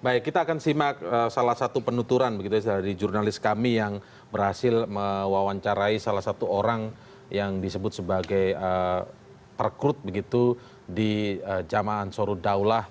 baik kita akan simak salah satu penuturan begitu ya dari jurnalis kami yang berhasil mewawancarai salah satu orang yang disebut sebagai perkrut begitu di jamaah sorudaulah